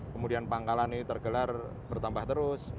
kemudian pangkalan ini tergelar bertambah terus